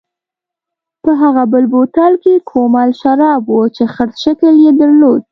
په هغه بل بوتل کې کومل شراب و چې خرس شکل یې درلود.